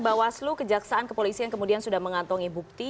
bawas lo kejaksaan ke polisi yang kemudian sudah mengantongi bukti